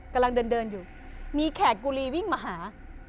กำลังเดินเดินอยู่มีแขกกุรีวิ่งมาหา